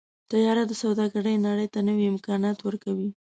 طیاره د سوداګرۍ نړۍ ته نوي امکانات ورکوي.